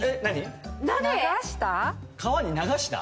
川に流した？